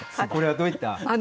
これはどういった？